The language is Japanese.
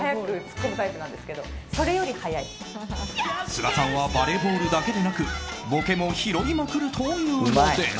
須賀さんはバレーボールだけでなくボケも拾いまくるというのです。